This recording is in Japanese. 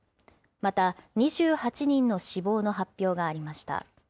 また２８人の死亡の発表がありました。